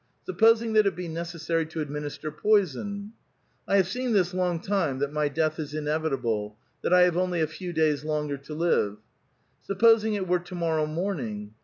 Supposing that it be necessary to administer poison?" "I have seen this long time that m}' death is inevitable ; that I have onlv a few davs lono:er to live." " Supposing it were to morrow morning?"